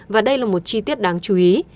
và đây là một chi tiết đáng chú ý